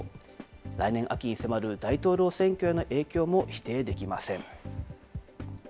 来年秋に迫る大統領選挙への影響も否定できません。